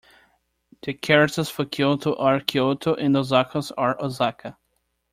The characters for Kyoto are 京都 and Osaka's are 大阪.